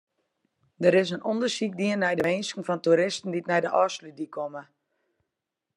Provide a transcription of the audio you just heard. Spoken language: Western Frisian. Der is ûndersyk dien nei de winsken fan toeristen dy't nei de Ofslútdyk komme.